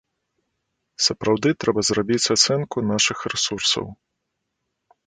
Сапраўды трэба зрабіць ацэнку нашых рэсурсаў.